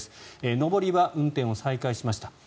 上りは運転を再開しました。